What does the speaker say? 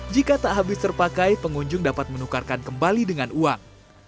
jika tak habis terpakai pengunjung dapat menukarkan kembali dengan uang